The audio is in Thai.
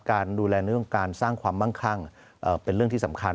การดูแลในเรื่องของการสร้างความมั่งคั่งเป็นเรื่องที่สำคัญ